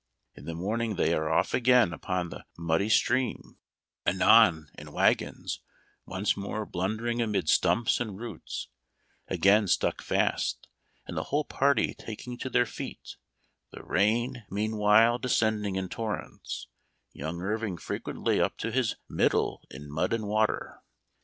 In the morning they are off again upon the muddy stream ; anon, in wagons, once more blunder ing amid stumps and roots ; again stuck fast, and the whole party taking to their feet, the rain meanwhile descending in torrents, young Irving frequently up to his "middle in mud and water."